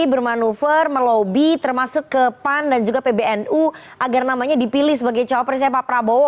bermanuver melobi termasuk ke pan dan juga pbnu agar namanya dipilih sebagai cawapresnya pak prabowo